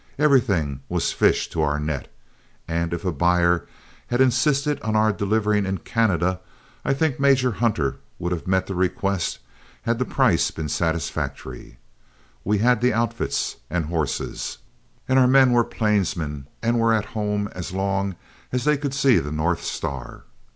Everything was fish to our net, and if a buyer had insisted on our delivering in Canada, I think Major Hunter would have met the request had the price been satisfactory. We had the outfits and horses, and our men were plainsmen and were at home as long as they could see the north star.